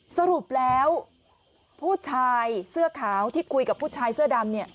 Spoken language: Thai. สรุปแล้วผู้ชายเสื้อขาวที่คุยกับผู้ชายเสื้อดำเนี่ย